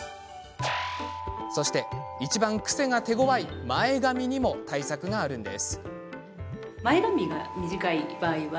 そして、いちばん癖が手ごわい前髪にも対策があるんです。